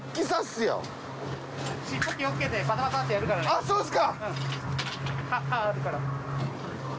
あっそうっすか。